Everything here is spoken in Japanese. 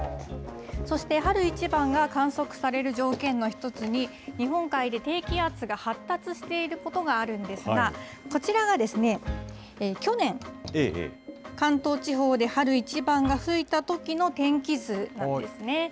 そして春一番が観測される条件の１つに、日本海で低気圧が発達していることがあるんですが、こちらがですね、去年、関東地方で春一番が吹いたときの天気図なんですね。